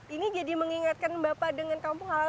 ini jadi mengingatkan bapak dengan kampung halaman